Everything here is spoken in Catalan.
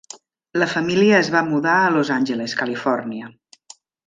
La família es va mudar a Los Angeles, Califòrnia.